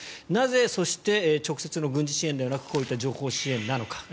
なぜ、直接の軍事支援ではなく情報支援なのか。